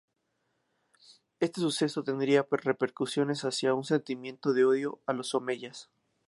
Este suceso tendría repercusiones hacia un sentimiento de odio a los omeyas.